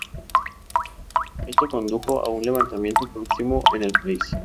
Esto condujo a un levantamiento próximo en el país.